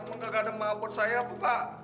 enggak ada maaf buat saya pak